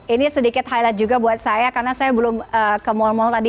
ini sedikit highlight juga buat saya karena saya belum ke mall mal tadi